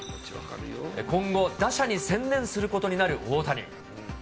今後、打者に専念することになる大谷。